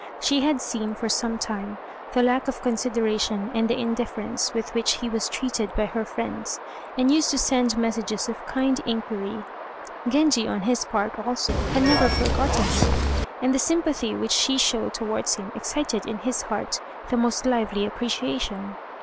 She had seen, for some time, the lack of consideration and the indifference with which he was treated by her friends, and used to send messages of kind inquiry. Genji, on his part also, had never forgotten her, and the sympathy which she showed towards him excited in his heart the most lively appreciation.